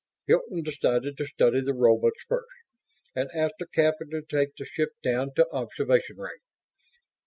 Hilton decided to study the robots first; and asked the captain to take the ship down to observation range.